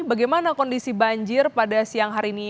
bagaimana kondisi banjir pada siang hari ini